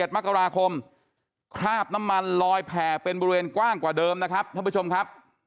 มกราคมคราบน้ำมันลอยแผ่เป็นบริเวณกว้างกว่าเดิมนะครับท่านผู้ชมครับ